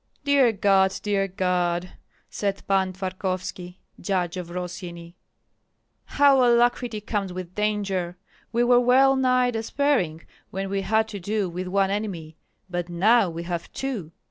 "Dear God, dear God!" said Pan Tvarkovski, judge of Rossyeni, "how alacrity comes with danger! We were well nigh despairing when we had to do with one enemy, but now we have two."